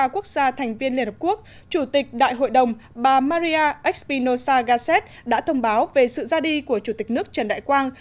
ba quốc gia thành viên liên hợp quốc chủ tịch đại hội đồng bà maria expionosa gazet đã thông báo về sự ra đi của chủ tịch nước trần đại quang